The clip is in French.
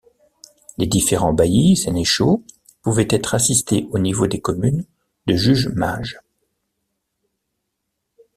Les différents baillis, sénéchaux... pouvaient être assistés au niveau des communes de juges-mages.